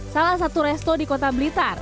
salah satu resto di kota blitar